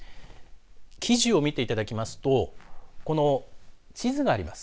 記事を見ていただきますとこの地図があります。